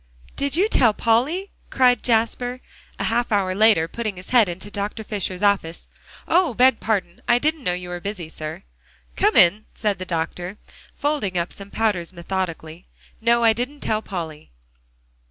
"Did you tell Polly?" cried Jasper, a half hour later, putting his head into Dr. Fisher's office. "Oh! beg pardon; I didn't know you were busy, sir." "Come in," said the doctor, folding up some powders methodically. "No, I didn't tell Polly."